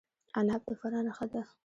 عناب د فراه نښه ده.